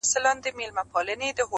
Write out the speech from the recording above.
ټوله وركه يې.